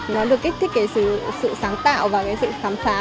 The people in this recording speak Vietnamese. nó được kích thích cái sự sáng tạo và cái sự khám phá